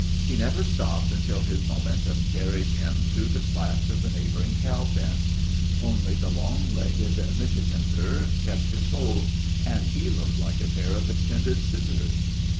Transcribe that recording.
He never stopped until his momentum carried him through the slats of the neighboring cow pen. Only the long legged Michigander kept his hold, and he looked like a pair of extended scissors.